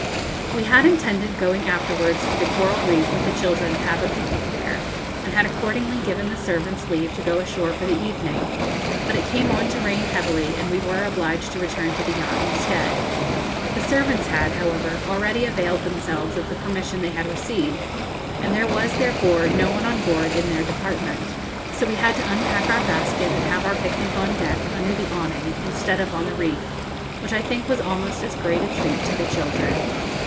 We had intended going afterwards to the coral reef with the children to have a picnic there, and had accordingly given the servants leave to go ashore for the evening; but it came on to rain heavily, and we were obliged to return to the yacht instead. The servants had, however, already availed themselves of the permission they had received, and there was therefore no one on board in their department; so we had to unpack our basket and have our picnic on deck, under the awning, instead of on the reef, which I think was almost as great a treat to the children.